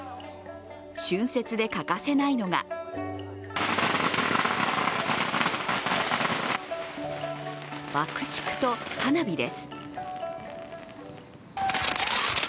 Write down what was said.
春節で欠かせないのが爆竹と花火です。